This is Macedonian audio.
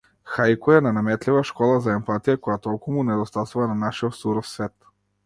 Хаику е ненаметлива школа за емпатија, која толку му недостасува на нашиов суров свет.